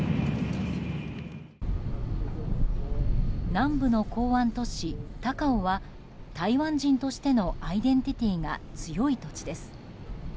南部の港湾都市・高雄は台湾人としてのアイデンティティーが強い土地です。